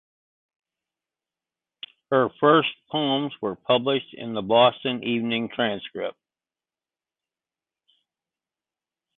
Her first poems were published in the "Boston Evening Transcript".